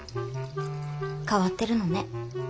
変わってるのね。